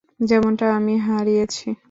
যেমনটা আমিও হারিয়েছি।